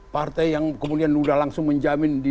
partai yang kemudian udah langsung ke psi ini